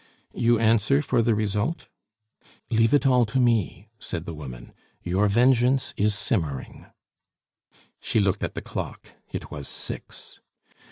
"You answer for the result?" "Leave it all to me," said the woman; "your vengeance is simmering." She looked at the clock; it was six.